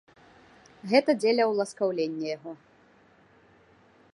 Гэта дзеля ўласкаўлення яго.